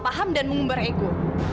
bapak sudah mengumbar ego